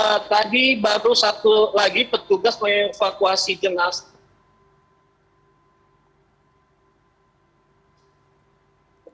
ya betul tadi baru satu lagi petugas menyevakuasi jenazah